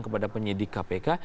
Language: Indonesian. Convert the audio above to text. kepada penyidik kpk